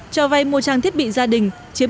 cho vay mua phương tiện đi lại chiếm tám ba